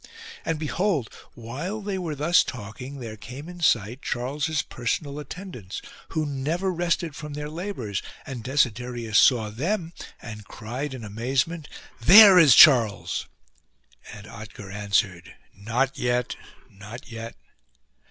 And, behold, while they were thus talking, there came in sight Charles's personal attendants, who never rested from their labours ; and Desiderius saw them and cried in amazement, " There is Charles." And Otker answered :" Not yet, not yet."